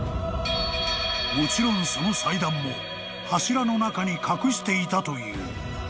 ［もちろんその祭壇も柱の中に隠していたという］